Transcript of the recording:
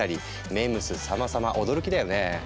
ＭＥＭＳさまさま驚きだよね。